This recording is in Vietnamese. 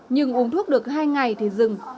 nhưng uống thuốc được hai ngày thì dừng